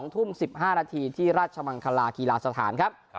๒ทุ่ม๑๕นาทีที่ราชมังคลากีฬาสถานครับ